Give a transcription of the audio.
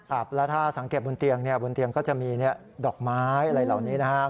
แล้วถ้าสังเกตบนเตียงก็จะมีดอกไม้อะไรเหล่านี้นะครับ